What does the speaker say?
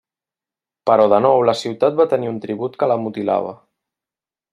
Però de nou la ciutat va tenir un tribut que la mutilava.